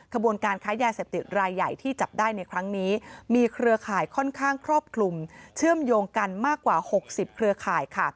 ขบวนการค้ายาเสพติดรายใหญ่ที่จับได้ในครั้งนี้มีเครือข่ายค่อนข้างครอบคลุมเชื่อมโยงกันมากกว่า๖๐เครือข่ายค่ะ